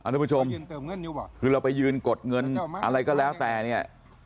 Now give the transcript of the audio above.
ทุกผู้ชมคือเราไปยืนกดเงินอะไรก็แล้วแต่เนี่ย